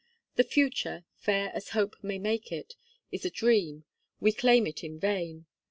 The Future, fair as Hope may make it, is a dream, we claim it in vain.